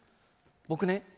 僕ね